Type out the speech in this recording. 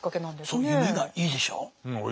そう夢がいいでしょう。